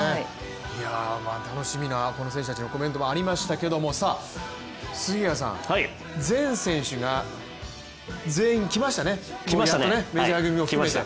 楽しみな選手たちのコメントもありましたけど杉谷さん、全選手が全員来ましたねやっとね、メジャー組も含めて。